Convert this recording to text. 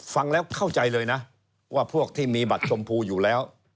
ฟังแล้วเข้าใจเลยนะว่าพวกที่มีบัตรชมพูอยู่แล้ว